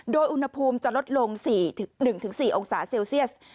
โดยอุณหภูมิจะลดลง๔๑๔องศาเซลเซียส